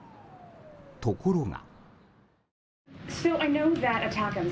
ところが。